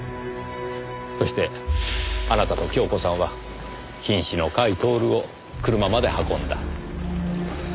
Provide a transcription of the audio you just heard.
そしてあなたと恭子さんは瀕死の甲斐享を車まで運んだ。